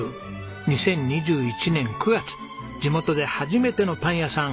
２０２１年９月地元で初めてのパン屋さん